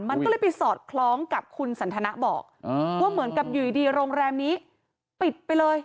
มันก็เลยไปสอดคล้องกับคุณสันทนะบอกว่าเหมือนกับอยู่ดีโรงแรมนี้ปิดไปเลย